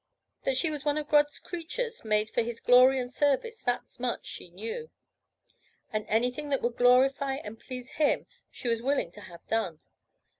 That she was one of God's creatures, made for His glory and service, that much she knew; and anything that would glorify and please Him, she was willing to have done.